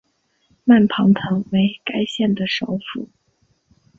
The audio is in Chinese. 曼庞滕为该县的首府。